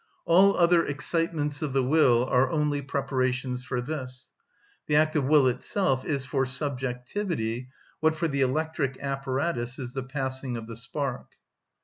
All other excitements of the will are only preparations for this; the act of will itself is for subjectivity what for the electric apparatus is the passing of the spark.